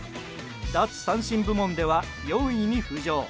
奪三振部門では４位に浮上。